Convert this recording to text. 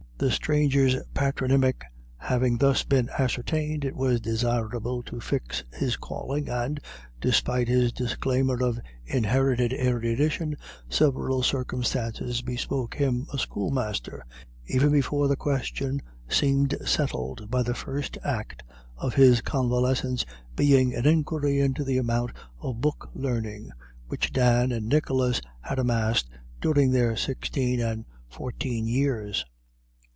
The stranger's patronymic having thus been ascertained, it was desirable to fix his calling, and, despite his disclaimer of inherited erudition, several circumstances bespoke him a schoolmaster, even before the question seemed settled by the first act of his convalescence being an inquiry into the amount of book learning which Dan and Nicholas had amassed during their sixteen and fourteen years.